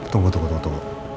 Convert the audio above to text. tunggu tunggu tunggu